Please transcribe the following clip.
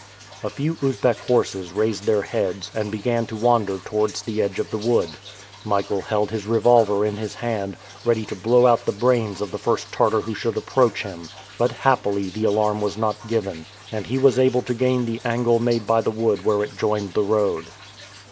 A few Usbeck horses raised their heads, and began to wander towards the edge of the wood. Michael held his revolver in his hand, ready to blow out the brains of the first Tartar who should approach him. But happily the alarm was not given, and he was able to gain the angle made by the wood where it joined the road.